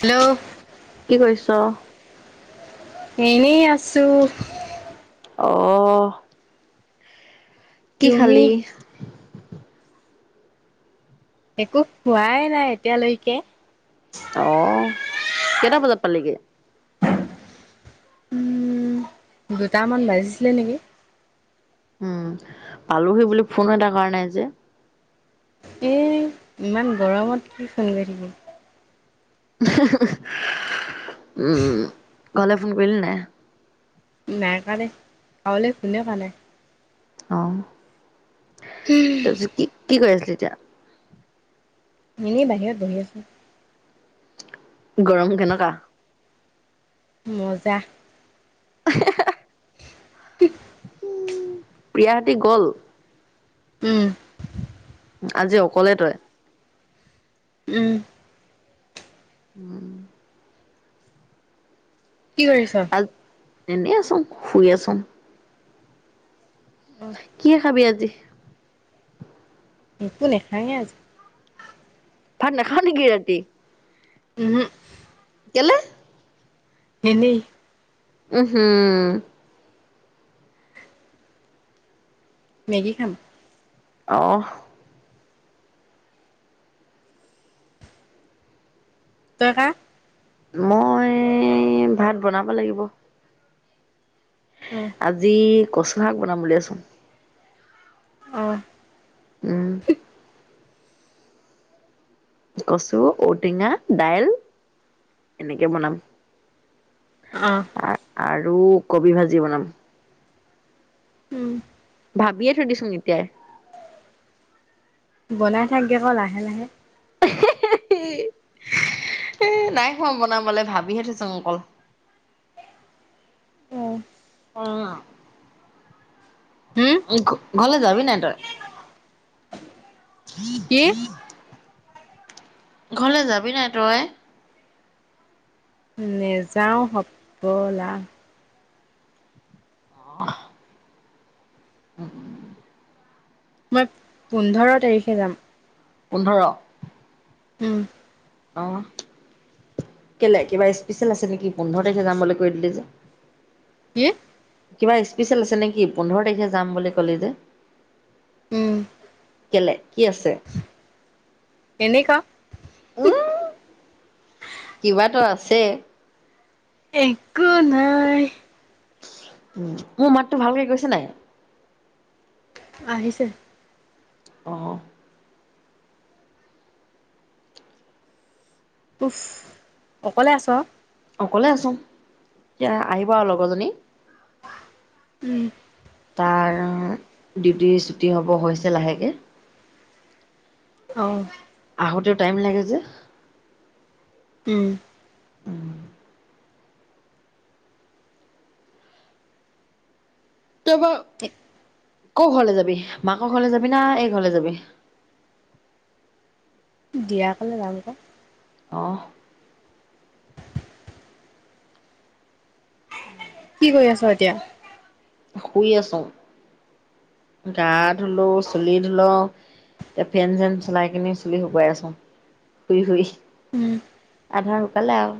Hello কি কৰিছ? এনেই আছো। অ হ। কি তুমি খালি? একো হোৱাই নাই এতিয়ালৈকে। অহ কেইটা বজাত পালিগে? উম দুটামান বাজিছিলে নেকি? উম পালোহি বুলি ফনো এটা কৰা নাই যে। এই ইমান গৰমত কি ফোন কৰি থাকিবি। ওহহহহ উমমম [unintelligible] ঘৰলৈ ফোন কৰিলি নাই? নাই কৱা দেই কাওলে ফুনে কৱা নাই। অ হহ তা পিছত কি কি কৰি আছিলি এতিয়া? এনেই বাহিয়ত বহি আছোঁং। গৰম কেনকা? মজাহ। এ হে হে আহে। উ প্ৰিয়াহেতি গ'ল? উমহ। আজি অকলে তই? উমহ। উম। কি কৰিছ? আজ এনেই আছোঁং শুই আছোঁং। অ কি হে খাবি আজি? একো নেখাঙে আজি। ভাত নেখাওঁ নেকি ৰাতি? উমহো। কেলে? এনেই। উহু। মেগী খাম। অহ। তইকা? মই ভাত বনাব লাগিব। অ আজি কচু শাক বনাম বুলি ভাবিচুং। অহ। উম, কচু, ঔটেঙা, দাইল এনেকে বনাম। অহ। আৰু কবি ভাজি বনাম। উম। ভাবিয়ে থই দিচুং এতিয়াই। বনাই থাকগে ক লাহে লাহে। [unintelligible] এ নাই খোৱা বনাবালে ভাবিহে থৈছুং অকল। অ অ। হুম ঘৰলে যাবি নাই তই? কি? ঘৰলে যাবি নাই তই? নেজাও সবলা। অহ। উম উম। মই পোন্ধৰ তাৰিখে যাম। পোন্ধৰ। উম। অহ। কেলে কিবা স্পেচিয়েল আছে নেকি? পোন্ধৰ তাৰিখে যাম বুলি কৈ দিলি যে? কি? কিবা স্পিচিয়েল আছে নেকি পোন্ধৰ তাৰিখে যাম বুলি কলি যে? উম। কেলে কি আছে? এনেকুৱা উম কিবা ত আছে। একো নাই। উ মো মাতটো ভালকে গৈছে নাই? আহিছে। অহ। উফ অকলে আছ? অকলে আসুং এতিয়া আহিব আও লগৰজনী। উম। তাৰ ডিউটি ছুটী হ'ব হৈছে লাহেকে। অ। আহোতেও টাইম লাগে যে। উম। তই বাৰু ক' ঘৰলে যাবি? মাক ঘৰলে যাবি না এই ঘৰলে যাবি। দিয়া কলে যামকৌ [unintelligible] অ উম [inaudible] কি কৰি আছ এতিয়া। শুই আছো গা ধুলো চুলি ধুলো। এতিয়া ফেন চেন চলাই কিনি চুলি শুকোৱাই আছোঁ শুই শুই। উম আধাসোকালে আৰু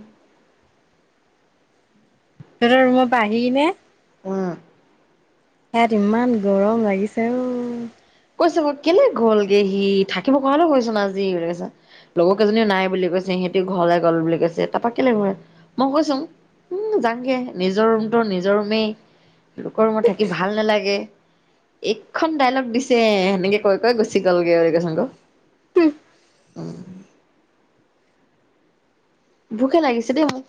সিতো ৰুমৰ পৰা আহি কেনে। উম। ইয়াত ইমান গৰম লাগিছে অ। কৈছোঁ ক কেলে গলগে সি থাকিব কোৱাহলও হ'ল ছোন আজি বুলি কৈছোঁ। লগৰ কেইজনীও নাই বুলি কৈছে সিহঁতি ঘৰলে গ'ল বুলি কৈছে। তাৰাপা কেলে নো মই কৈছোঁ উম যাগে নিজৰ ৰুমটো নিজৰ ৰুমেই লোকৰ ৰুমত থাকি ভাল নেলাগে। এইখন ডাইলগ দিছে সেনেকে কৈ কৈ গুচি গ'লগে কৈছোং ক ভোকহে লাগিছে দেই মোৰ।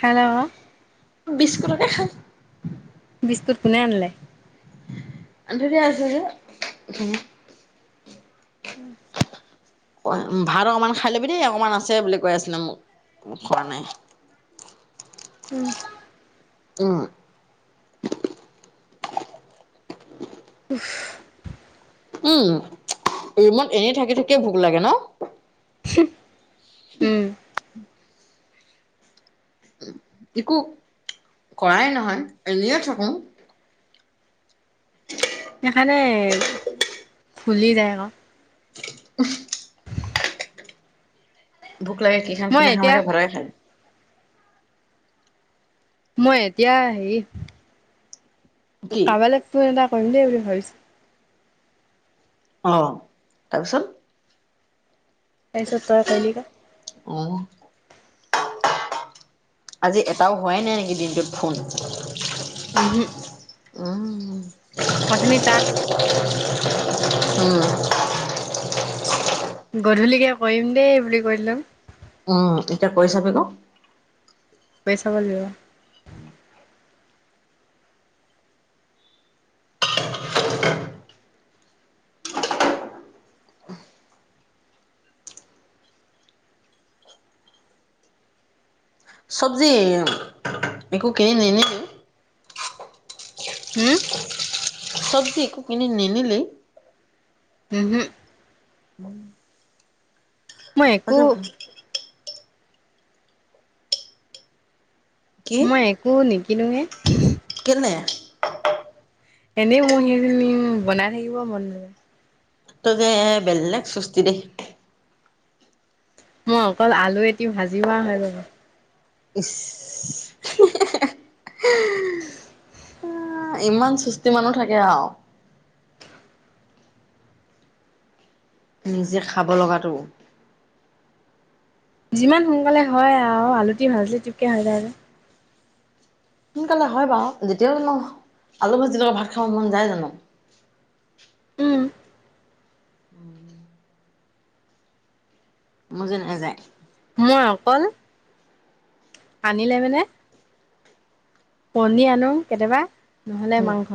হেল্ল' বিস্কুটকে খাং বিস্কুট কোনে আনিলে? আনি থৈ দিয়া আছে যে। ভাত অকণমান খাই ল'বি দেই অকণমান আছে বুলি কৈ আছিলে মোক খোৱা নাই। [inaudible] উম। উম ৰুমত এনেই থাকি থাকিয়ে ভোক লাগে ন। উম। একো কৰাই নহয় এনেয়ে থাকো। উ [inaudible] সেইকাৰণে ফুলি যায় আক। উ [inaudible] ভোক লাগে কি খাং কি মই নাখাং এতিয়া লাগে ভাতকে খাং। মই এতিয়া সেই কি কাৰোবালে ফোন এটা কৰিম দেই বুলি ভাবিছো আহ তাৰপিছত। তাৰপিছত তই কৰিলি ক। আহ আজি এটাও হোৱাই নাই নেকি দিনটোত ফোন উহো উম অথনি তাক উম। গধূলিকে কৰিম দেই বুলি কৈ দিলে উম এতিয়া কৈ চাবি ক কৈ চাব লাগিব চব্জি একো কিনি নিনিলি হম চব্জি একো কিনি নিনিলি উহোম মই একো কছা ম [unintelligible] কি মই একো নিকিনোঙে কেলে এনেই মোৰ সেইখিনি বনাই থাকিব মন নাযায়। তই যে বেলক চুস্তি দেই। মই অকল আলু এটি ভাজি আ হৈ যাব। ঈশ। ইমান সুস্তি মানুহ থাকে আওঁ। নিজে খাব লগাটো। যিমান সোনকালে হয় আৰু আলুতি ভাজিলে তিপকে হৈ যায় যে। সোনকালে হয় বাৰু, যেতিয়াও জানো আলু ভাজি লগত ভাত খাব মন যায় জানো। উম উম। মোৰ যে নাযায়। মই অকল- আনিলে মানে কণী আনো কেতিয়াবা- নহ'লে মাংস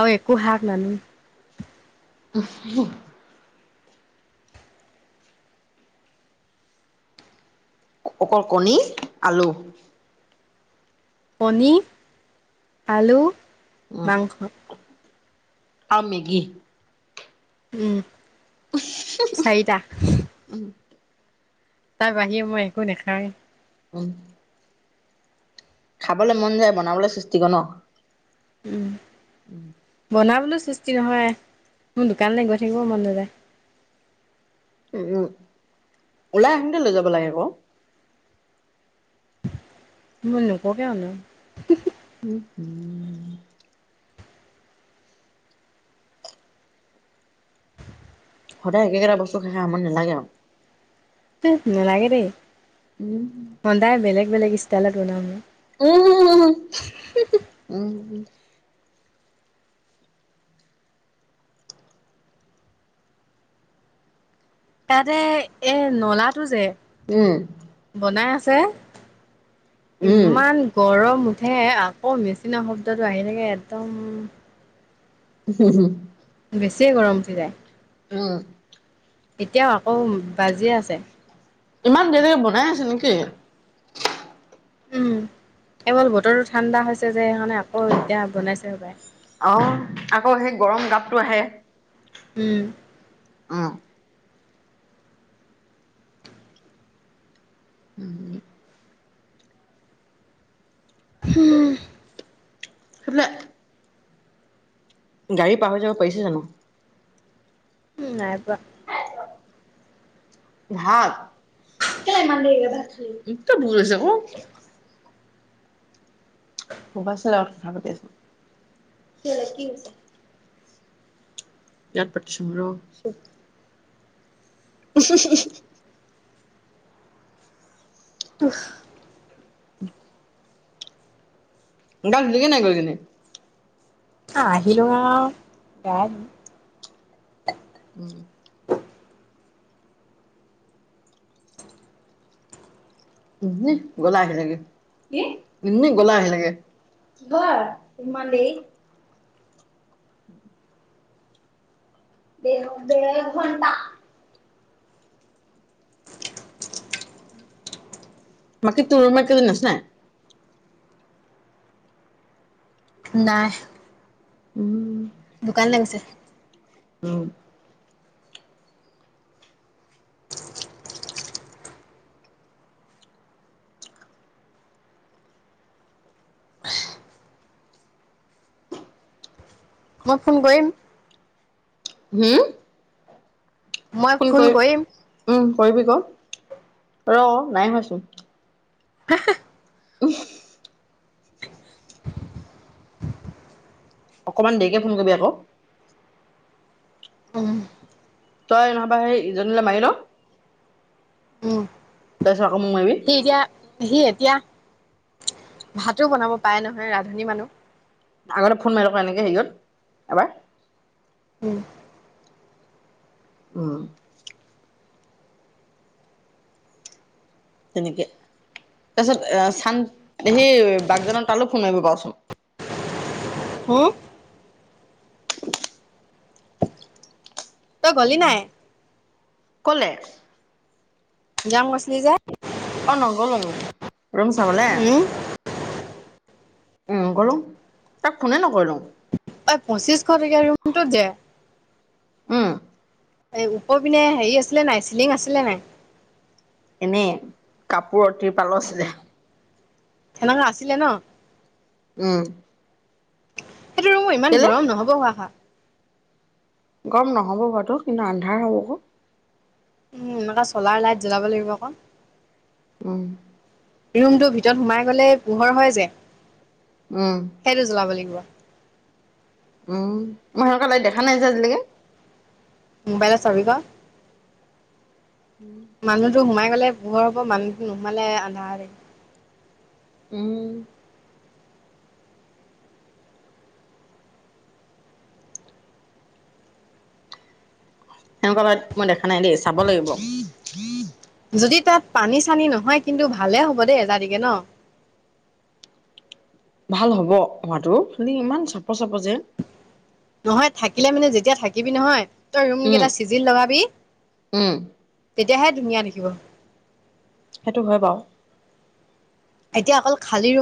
আৰু একো শাক নানো। [unintelligible] অকল কণী আলু। কণী, আলু, উম মাংস। আৰু মেগী। উমঁ চাৰিটা। তাৰ বাহিৰে মই একো নাখাওঁয়ে। উমঁ। খাবলৈ মন যায় বনাবলৈ সুস্তি ক ন। উমঁ বনাবলো- সুস্তি নহয়। মোৰ দোকানলৈ গৈ থাকিব মন নাযায়। উমঁ উমঁ ওলাই আহোতে লৈ যাব লাগে ক। মই নোককে অনাম। উম হ'ম। সদায় একে কেইটা বস্তু খাই খাই আমনি নালাগে আও? নালাগে দেই। উম। সদায় বেলেগ ষ্টাইলত বনাম। উম উম উম উম। তাতে এ নলাটো যে উম ছে উম ইমান গৰম উঠে আকৌ মেচিনৰ শব্দটো আহি থাকে একদম হু'ম হুম। বেছিয়ে গৰম উঠি যায়। উম। এতিয়াও আকৌ বাজিয়ে আছে। ইমান দেৰিলৈকে বনাই আছে নেকি? উম এৱল বতৰতো ঠাণ্ডা হৈছে যে সেইকাৰণে আকৌ এতিয়া বনাইছে সপায়। অহ আকৌ সেই গৰম গাপটো আহে। উম। অ'। উম। হ'ম। [unintelligible] গাড়ী পাহৰি যাব পাৰিছে জানো? উম নাইপৰা। [unintelligible] ভাত কেলে ইমান দেৰিকে ভাত খালি এতিয়া ভুক লাগিছে ক। পকাছ লগত কথা পাতি আছো কি ক'লে কিহৈছে। ইয়াৰ পাতি চো ৰ। উ হু হু হু হু। ও হ। [unintelligible] গা ধুলি গে নাই গৈ কিনে? অহ আহিলো আও গা ধোলো। উম। এনেই গল আও আহিলেগে এনি গল আও আহিলেগে। [unintelligible] [inaudible] দেঅ দেৰ ঘন্টা। বাকী তো মাক কেইজনী আছে নাই? নাই। উম। দোকান লে গৈছে। উম। মই ফোন কৰিম। হুম। মই ফোন কৰিম। উম, কৰিবি ক ৰ নাই হোৱাচোন। হে হে। [unintelligible] অকণমান দেৰিকে ফোন কৰিবি আকৌ। উম। তাই নবা আহে ইজনলে মাৰিল। আকৌ মোক মাৰিবি। হি এতিয়া হি এতিয়া। ভাতো বনাব পাই নহয় ৰাধনী মানুহ। আগতে ফোন মাৰিক এনেকে হেৰি গত এবাৰ। উম। উ। তেনেকে। তাৰপিছত এ চান সেই বাগজানক তালো ফোন মাৰিব পাৰচোন। হুম। তই গলি নাই। কলে। যাম কৈছিল যে। অ' নগ'লো ৰুম চাবালে। উম উম গলো তাক ফোনে নকৰি লোং। পঁচিশশ টককা ৰুমটো যে। উম। এই উপৰ পিনে হেৰি আছিলে নাই চিলিং আছিলে নাই। এনেই কাপোৰ টিৰ পালৰ আছিলে। সনেকুৱা আছিলে ন। উম। সেইটো ৰুমো ইমান কেলে গৰম নহব খোৱা খা। গম নহ'ব বতটো কিন্তু আন্ধাৰ হ'বক। উম এনেকুৱা চলাৰ লাইট জ্বলাব লাগিব ক। উম। ৰুমটো ভিতৰত সোমাই গলে পোহৰ হয় যে উম সেইটো জ্বলাব লাগিব উম মাহুৰ কালৈ দেখা নাই যে আজিলেকে মবাইলত চাবি ক মানুহটো সোমাই গলে পোহৰ হ'ব মানুহটো নোসোমালে আন্ধাৰ হব উম সেনেকুৱা লাইট মই দেখা নাই দেই চাব লাগিব। থাকিব যদি তাত পানী চানী নহয় কিন্তু ভালে হ'ব দেই এজাতিকে ন। ভাল হ'ব হোৱাটো কিন্তু ইমান চাপ চাপ যে। নহয় থাকিলে মানে যেতিয়া থাকিবি নহয়। তই ৰুম উম কেইটা চিজিল লগাবি উম তেতিয়াহে ধুনীয়া দেখিব। সেইটো হয় বাও। এতিয়া অকল খালি ৰুম।